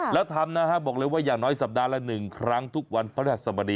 แล้วทำนะครับอย่างน้อยสัปดาห์ละ๑ครั้งพระวัยสมดีทุกวัน